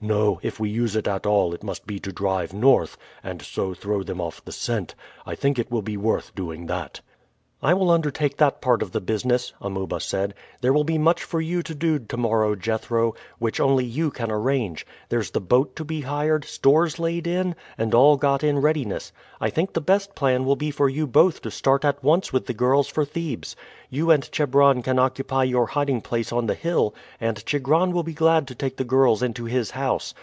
No, if we use it at all it must be to drive north, and so throw them off the scent. I think it will be worth doing that." "I will undertake that part of the business," Amuba said. "There will be much for you to do to morrow, Jethro, which only you can arrange. There's the boat to be hired, stores laid in, and all got in readiness. I think the best plan will be for you both to start at once with the girls for Thebes. You and Chebron can occupy your hiding place on the hill, and Chigron will be glad to take the girls into his house.